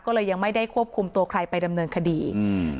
ก็เลยยังไม่ได้ควบคุมตัวใครไปดำเนินคดีอืม